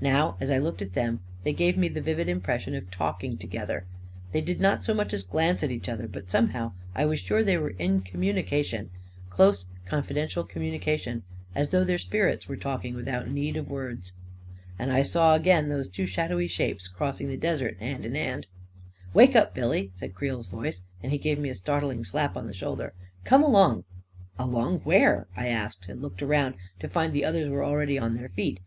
Now, as I looked at them, they gave me the vivid impression of talking together. They did not so much as glance at each other, but somehow I was sure they were in communication — close, confi dential communication — as though their spirits were talking, without need of words ... And I saw again those two shadowy shapes cross ing the desert, hand in hand ... 11 Wake up, Billy I M said Creel's voice, and he gave me a startling slap on the shoulder. " Come along!" " Along where? " I asked, and looked around to find that the others were already on their feet.